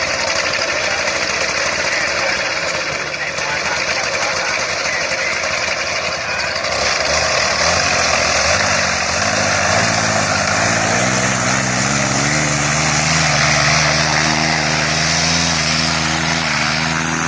และที่สุดท้ายและที่สุดท้าย